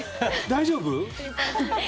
大丈夫？